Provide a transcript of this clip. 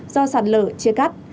do sạt lở chia cắt